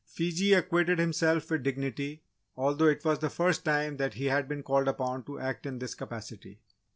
Fiji acquitted himself with dignity, although it was the first time that he had been called upon to act in this capacity.